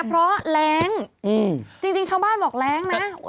เพราะแรงจริงชาวบ้านบอกแรงนะ